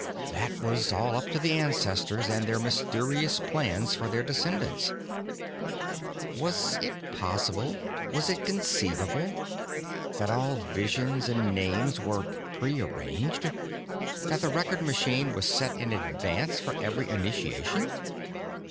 That was all up to the ancestors and their mysterious plans for their descendants. Was it possible, was it conceivable, that all visions and names were pre arranged, that the record machine was set in advance for every initiation?